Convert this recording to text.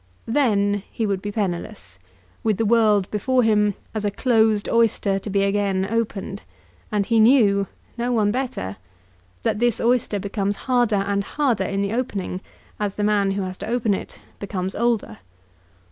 Then he would be penniless, with the world before him as a closed oyster to be again opened, and he knew, no one better, that this oyster becomes harder and harder in the opening as the man who has to open it becomes older.